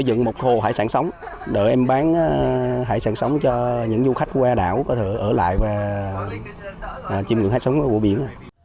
dựng một hồ hải sản sống đợi em bán hải sản sống cho những du khách qua đảo có thể ở lại và chìm ngưỡng hải sản sống của biển